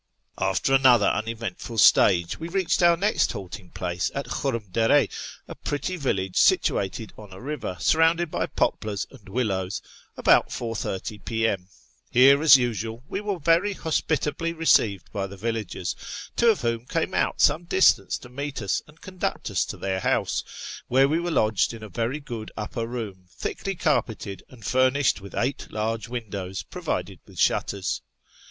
After another uneventful stage, we reached our next halting place of Khurram der^ — a pretty village situated on a river, surrounded by poplars and willows — about 4.30 p.m. Here, as usual, we were very hospitably received by the villagers, two of whom came out some distance to meet us and conduct us to their house, where we were lodged in a very good upper room, thickly carpeted, and furnished with eight large windows provided with shutters.